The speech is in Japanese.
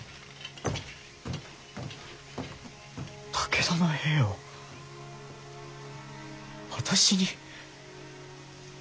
武田の兵を私に？